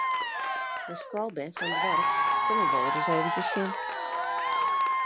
De skoalbern fan it doarp komme wolris even te sjen.